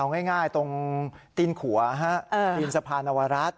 เอาง่ายตรงตีนขัวตีนสะพานนวรัฐ